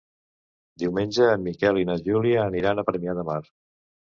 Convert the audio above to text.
Diumenge en Miquel i na Júlia aniran a Premià de Mar.